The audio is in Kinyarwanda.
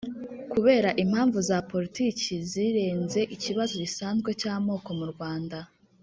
kubera impamvu za politiki zirenze ikibazo gisanzwe cy'amoko mu rwanda